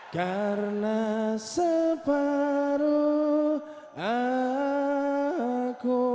karena separuh aku